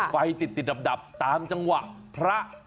ไปติดดับตามจังหวะพระ